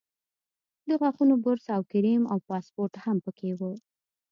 د غاښونو برس او کریم او پاسپورټ هم په کې وو.